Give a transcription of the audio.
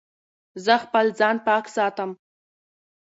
زه خپل ځان پاک ساتم.